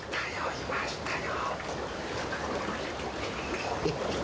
いましたよ。